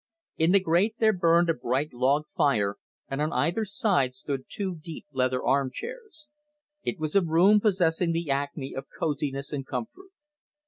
In the grate there burned a bright log fire, and on either side stood two deep leather arm chairs. It was a room possessing the acme of cosiness and comfort.